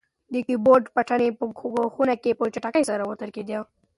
د کیبورډ بټنې په خونه کې په چټکۍ سره وتړکېدې.